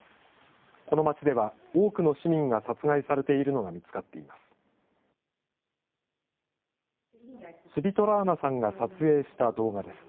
この町では、多くの市民が殺害されているのが見つかっています。